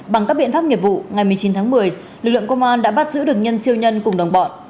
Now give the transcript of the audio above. bằng các biện pháp nghiệp vụ ngày một mươi chín tháng một mươi lực lượng công an đã bắt giữ được nhân siêu nhân cùng đồng bọn